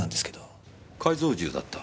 改造銃だった？